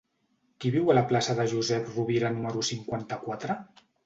Qui viu a la plaça de Josep Rovira número cinquanta-quatre?